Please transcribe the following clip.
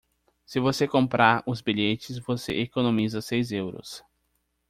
Se você comprar os bilhetes você economiza seis euros.